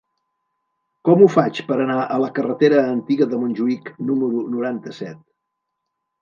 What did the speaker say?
Com ho faig per anar a la carretera Antiga de Montjuïc número noranta-set?